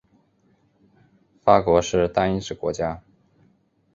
法国是单一制国家。